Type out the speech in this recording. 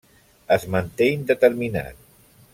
Es manté indeterminat.